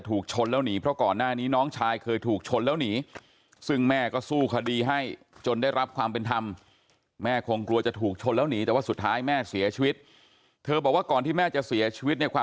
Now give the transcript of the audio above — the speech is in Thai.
ต้องไปตามหาเองพูดปัดอย่างเดียวเลยว่า